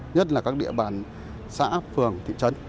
nhất là các địa bàn xã phường thị trấn